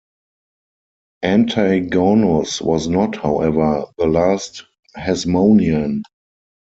Antigonus was not, however, the last Hasmonean.